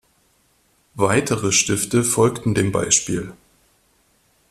Weitere Stifte folgten dem Beispiel.